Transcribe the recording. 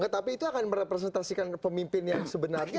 tapi itu akan merepresentasikan pemimpin yang sebenarnya